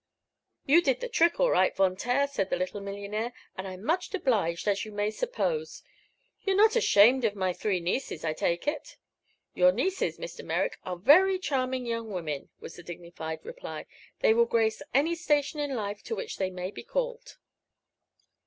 "You did the trick all right, Von Taer," said the little millionaire, "and I'm much obliged, as you may suppose. You're not ashamed of my three nieces, I take it?" "Your nieces, Mr. Merrick, are very charming young women," was the dignified reply. "They will grace any station in life to which they may be called."